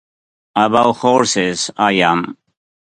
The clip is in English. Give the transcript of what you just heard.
About horses I am.